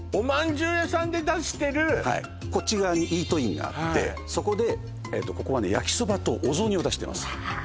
お饅頭屋さんで出してるはいこっち側にイートインがあってそこでええとここはね焼きそばとお雑煮を出してますああ